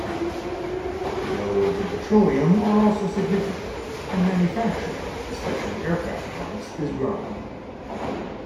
Railroads and petroleum are also significant, and manufacturing, especially aircraft parts, is growing.